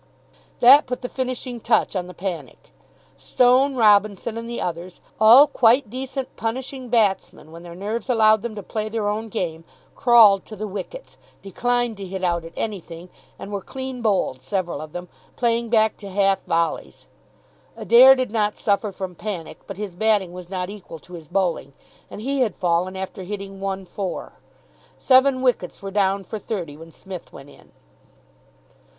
That put the finishing touch on the panic. Stone, Robinson, and the others, all quite decent punishing batsmen when their nerves allowed them to play their own game, crawled to the wickets, declined to hit out at anything, and were clean bowled, several of them, playing back to half volleys. Adair did not suffer from panic, but his batting was not equal to his bowling, and he had fallen after hitting one four. Seven wickets were down for thirty when Psmith went in.